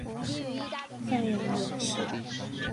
范阳人氏。